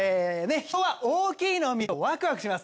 人は大きいのを見るとワクワクします。